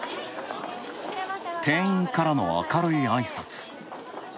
店員からの明るいあいさつ。